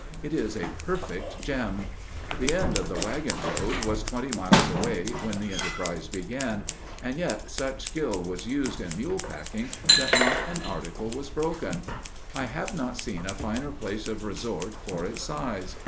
It is a perfect gem. The end of the wagon road was twenty miles away when the enterprise began, and yet such skill was used in mule packing that not an article was broken. I have not seen a finer place of resort, for its size.